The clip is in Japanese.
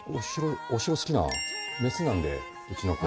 お城好きなメスなんでうちの子。